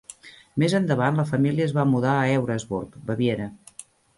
Més endavant, la família es va mudar a Eurasburg, Baviera.